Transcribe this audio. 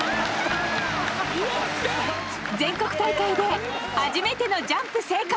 全国大会で初めてのジャンプ成功！